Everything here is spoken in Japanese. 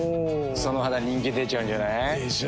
その肌人気出ちゃうんじゃない？でしょう。